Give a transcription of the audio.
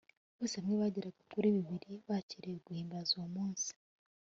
bose hamwe bageraga kuri bibiri bakereye guhimbaza uwo munsi